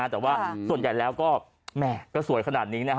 แต่ว่าส่วนใหญ่แล้วก็แม่ก็สวยขนาดนี้นะฮะ